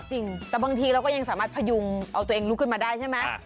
จริงแต่บางทีเราก็ยังสามารถพยุงเอาตัวเองลุกขึ้นมาได้ใช่ไหม